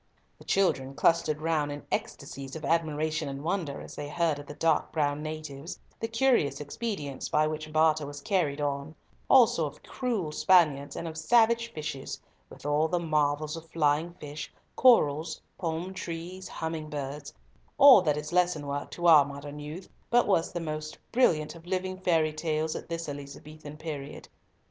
The children clustered round in ecstasies of admiration and wonder as they heard of the dark brown atives, the curious expedients by which barter was carried on; also of cruel Spaniards, and of savage fishes, with all the marvels of flying fish, corals, palm trees, humming birds—all that is lesson work to our modern youth, but was the most brilliant of living fairy tales at this Elizabethan period.